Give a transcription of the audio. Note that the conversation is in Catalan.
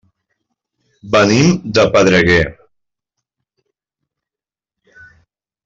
Venim de Pedreguer.